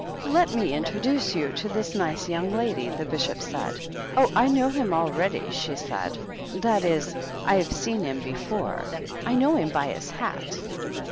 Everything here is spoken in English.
" Let me introduce you to this nice young latly," the Bishop said. " Oh, I know him already," she said ;" that THE BISHOPS. 193 is, I have seen him before. I know him by his hat."